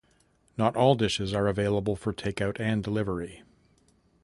Not all dishes are available for takeout and delivery.